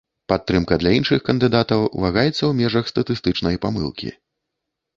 Падтрымка для іншых кандыдатаў вагаецца ў межах статыстычнай памылкі.